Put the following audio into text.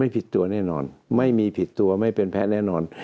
ผิดตัวแน่นอนไม่มีผิดตัวไม่เป็นแพ้แน่นอน